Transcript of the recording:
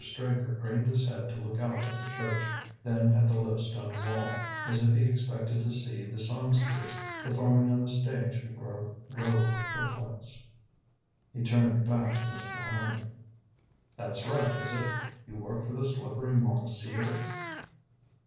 Straker craned his head to look out at the church, then at the low stone wall, as if he expected to see the songsters performing on a stage before a row of footlights. He turned back to Mr. Hand. "That's right, is it? You worked for the slippery Mounseer?"